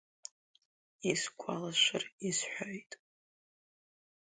Исгәалашәар исҳәоит.